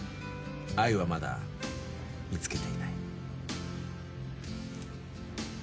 愛はまだ見つけていない。